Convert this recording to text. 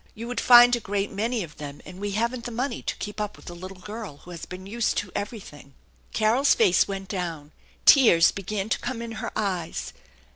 You would find a great many of them, and we haven't the money to keep up with a little girl who has been used to everything." Carol's face went down. Tears began to come in her eyes.